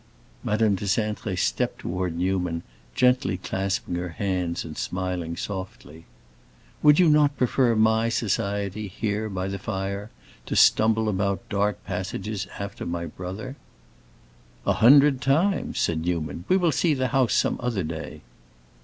Madame de Cintré stepped toward Newman, gently clasping her hands and smiling softly. "Would you not prefer my society, here, by my fire, to stumbling about dark passages after my brother?" "A hundred times!" said Newman. "We will see the house some other day."